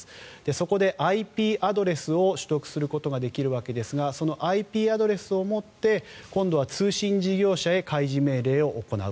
そこでＩＰアドレスを取得することができるわけですがそのＩＰアドレスをもって今度は通信事業者へ開示命令を行う。